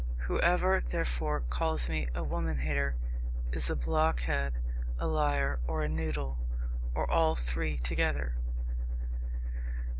Whoever, therefore, calls me a woman hater is a blockhead, a liar, or a noodle. Or all three together.